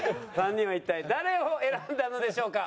３人は一体誰を選んだのでしょうか？